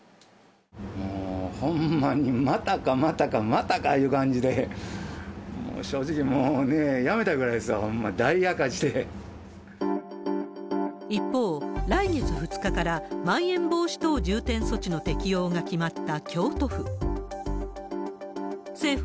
もう、ほんまにまたか、またか、またかいう感じで、もう正直もうね、辞めたいぐらいですわ、一方、来月２日からまん延防止等重点措置の適用が決まった京都府。